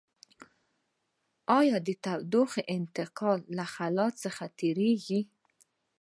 آیا د تودوخې انتقال له خلاء څخه تیریږي؟